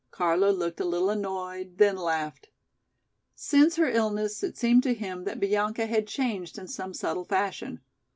Carlo looked a little annoyed, then laughed. Since her illness it seemed to him that Bianca had changed in some subtle fashion.